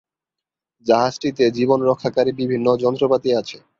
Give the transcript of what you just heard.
জাহাজটিতে জীবন রক্ষাকারী বিভিন্ন যন্ত্রপাতি আছে।